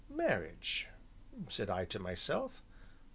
"Marriage!" said I to myself.